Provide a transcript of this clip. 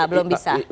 belum ada ini